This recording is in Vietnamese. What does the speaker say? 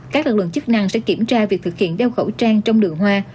các lực lượng chức năng sẽ kiểm tra việc thực hiện đeo khẩu trang trong đường hoa